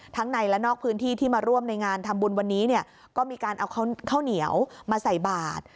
ในและนอกพื้นที่ที่มาร่วมในงานทำบุญวันนี้เนี่ยก็มีการเอาข้าวเหนียวมาใส่บาท